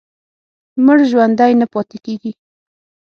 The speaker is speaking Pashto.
مړ ژوندی نه پاتې کېږي.